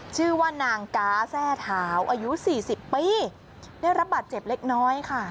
ชื่อว่านางกาแทร่เท้าอายุสี่สิบปีได้รับบาดเจ็บเล็กน้อยค่ะ